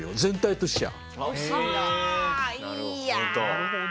なるほど。